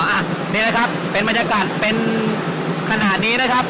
อ่ะนี่แหละครับเป็นบรรยากาศเป็นขนาดนี้นะครับ